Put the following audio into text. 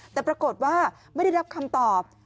แต่ปรากฏว่าไม่ได้รับคำตอบ